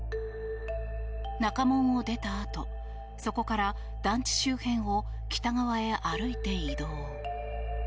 中門を出たあとそこから団地周辺を北側へ歩いて移動。